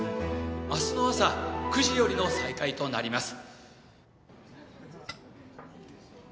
明日の朝９時よりの再開となります。